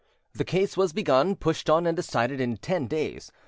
The case was begun, pushed on, and decided in ten days.